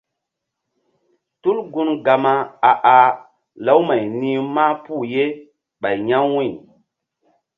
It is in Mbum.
Tul gun Gama a ah lawmay ni̧h mahpuh ye ɓay ya̧ wu̧y.